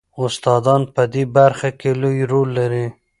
استادان په دې برخه کې لوی رول لري.